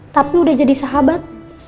tapi udah jadi sahabat